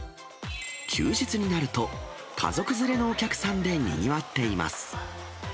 休日になると、家族連れのお客さんでにぎわっています。